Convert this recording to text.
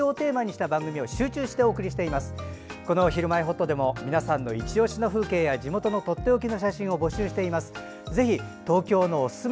「ひるまえほっと」でも皆さんいちオシの風景や地元のとっておきの写真を募集しています。